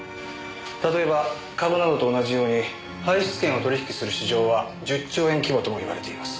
例えば株などと同じように排出権を取引する市場は１０兆円規模とも言われています。